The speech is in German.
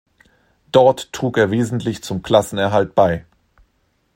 Dort trug er wesentlich zum Klassenerhalt bei.